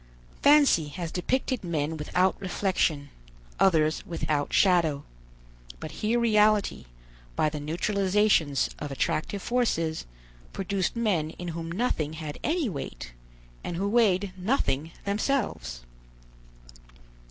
Fancy has depicted men without reflection, others without shadow. But here reality, by the neutralizations of attractive forces, produced men in whom nothing had any weight, and who weighed nothing themselves.